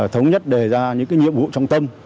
thống nhất đề ra những cái nhiệm vụ trong tâm